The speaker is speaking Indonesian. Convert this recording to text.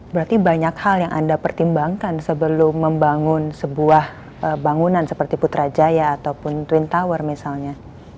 berarti banyak hal yang anda pertimbangkan sebelum membangun sebuah bangunan seperti putrajaya ataupun twin tower misalnya